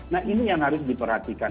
nah ini yang harus diperhatikan